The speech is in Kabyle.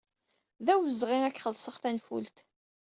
D awezɣi ad ak-xellṣeɣ tanfult.